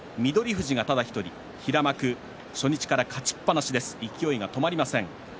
富士がただ１人、平幕初日から勝ちっぱなしと勢いが止まりません。